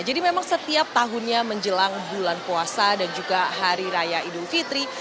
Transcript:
jadi memang setiap tahunnya menjelang bulan puasa dan juga hari raya idul fitri